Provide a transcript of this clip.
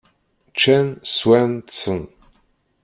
Ččan, swan, ṭṭsen.